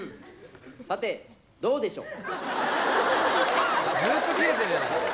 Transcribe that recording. さてどうでしょう